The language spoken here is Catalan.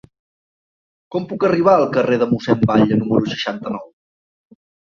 Com puc arribar al carrer de Mossèn Batlle número seixanta-nou?